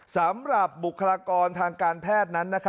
สำหรับบุคลากรทางการแพทย์นั้น